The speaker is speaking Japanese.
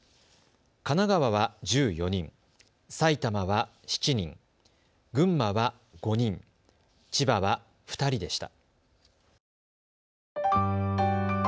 神奈川は１４人、埼玉は７人、群馬は５人、千葉は２人でした。